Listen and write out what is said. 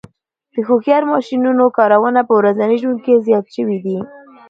د هوښیار ماشینونو کارونه په ورځني ژوند کې زیات شوي دي.